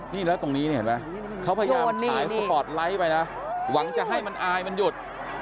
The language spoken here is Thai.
นี่แล้วตรงนี้เนี่ยเห็นไหมเขาพยายามฉายสปอร์ตไลท์ไปนะหวังจะให้มันอายมันหยุด